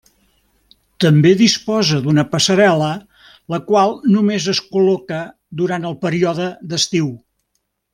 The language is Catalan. També disposa d'una passarel·la, la qual només es col·loca durant el període d'estiu.